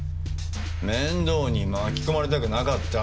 面倒に巻き込まれたくなかった。